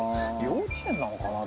幼稚園なのかな？